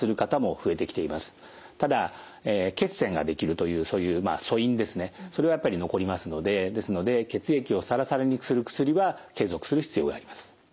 ただ血栓ができるというそういう素因ですねそれはやっぱり残りますのでですので血液をサラサラにする薬は継続する必要があります。